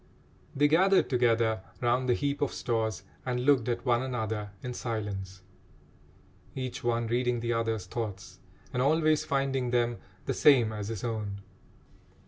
They gathered together round the heap of stores and looked at one another in silence, each one reading the other's thoughts and always finding them the same as his own.